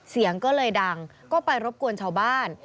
เสียงก็เลยดังก็ไปรบกวนชาวบ้าน